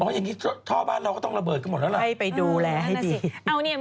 ให้บอกลับการหารสื่อแล้วกัน